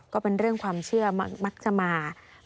ก็เป็นเรื่องความเชื่อมักจะมา